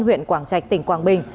huyện quảng trạch tỉnh quảng bình